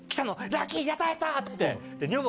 ラッキーやったやった！」